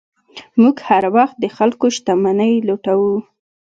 موږ هر وخت د خلکو شتمنۍ لوټو.